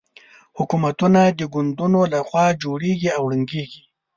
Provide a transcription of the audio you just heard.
حکومتونه د ګوندونو له خوا جوړېږي او ړنګېږي.